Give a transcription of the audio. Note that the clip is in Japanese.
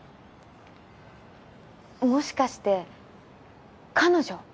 もしかして彼女？